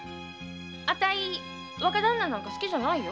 あたい若旦那なんか好きじゃないよ。